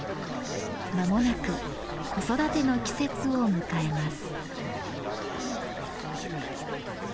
まもなく子育ての季節を迎えます。